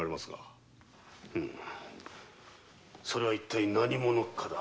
それは一体何者かだ。